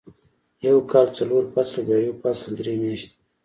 يو کال څلور فصله وي او يو فصل درې میاشتې وي.